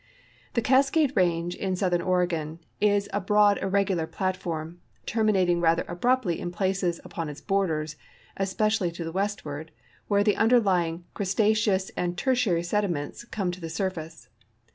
The Cascade range in south ern Oregon is a broad irregular platform, terminating rather abruptly in places upon its borders, especially to the westward, where the underlying Cretaceous and Tertiary sediments come to the surface.